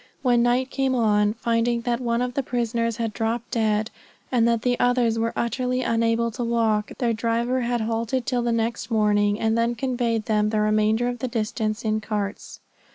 When night came on, finding that one of the prisoners had dropped dead, and that the others were utterly unable to walk, their driver had halted till the next morning, and then conveyed them the remainder of the distance in carts.